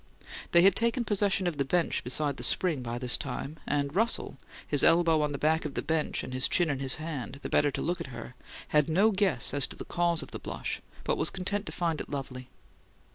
They had taken possession of the bench beside the spring, by this time; and Russell, his elbow on the back of the bench and his chin on his hand, the better to look at her, had no guess at the cause of the blush, but was content to find it lovely.